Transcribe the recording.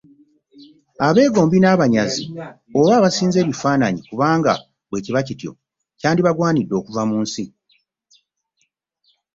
Abeegombi n'abanyazi, oba abasinza ebifaananyi: kubanga bwe kiba kityo kyandibagwanidde okuva mu nsi.